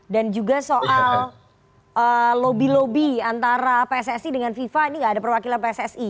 dan juga soal lobby lobby antara pssi dengan viva ini enggak ada perwakilan pssi